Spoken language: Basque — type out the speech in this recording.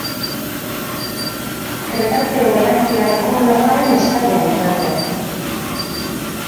Kretazeo Berantiarreko laugarren estaia izan zen.